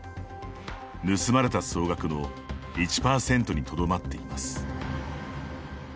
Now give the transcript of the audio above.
盗まれた総額の１％にとどまっています。